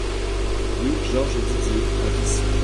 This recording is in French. Rue Georges Didier à Wissous